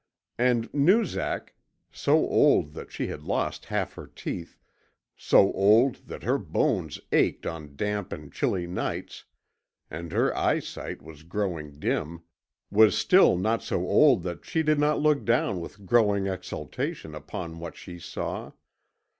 And Noozak so old that she had lost half her teeth, so old that her bones ached on damp and chilly nights, and her eyesight was growing dim was still not so old that she did not look down with growing exultation upon what she saw.